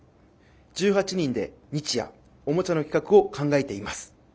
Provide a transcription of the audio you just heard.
１８人で日夜おもちゃの企画を考えています。